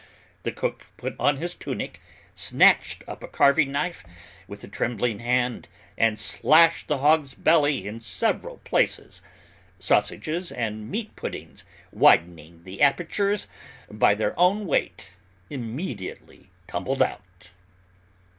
The cook put on his tunic, snatched up a carving knife, with a trembling hand, and slashed the hog's belly in several places. Sausages and meat puddings, widening the apertures, by their own weight, immediately tumbled out.